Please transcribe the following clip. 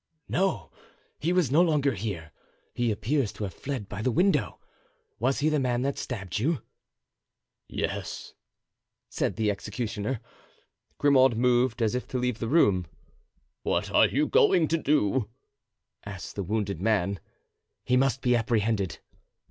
"No, he was no longer here; he appears to have fled by the window. Was he the man that stabbed you?" "Yes," said the executioner. Grimaud moved as if to leave the room. "What are you going to do?" asked the wounded man. "He must be apprehended."